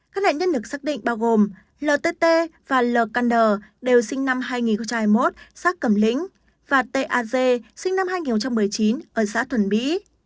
các lệnh nhân lực xác định bao gồm ltt và lkd đều sinh năm hai nghìn hai mươi một sát cầm lính và taz sinh năm hai nghìn một mươi chín ở xã thuần bí